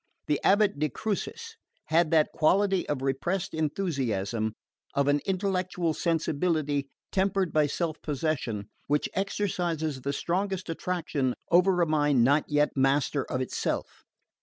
The abate de Crucis had that quality of repressed enthusiasm, of an intellectual sensibility tempered by self possession, which exercises the strongest attraction over a mind not yet master of itself.